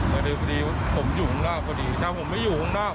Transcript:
ก็ดูพอดีผมอยู่หงุ่นออกก็ดีถ้าผมไม่อยู่ห้องนอก